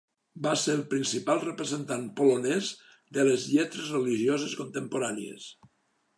Va ser el principal representant polonès de les lletres religioses contemporànies.